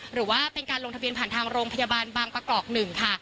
หรือว่าเป็นการลงทะเบียนผ่านทางโรงพยาบาลบางประกอบ๑ค่ะ